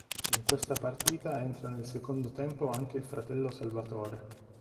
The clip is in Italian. In questa partita entra nel secondo tempo anche il fratello Salvatore.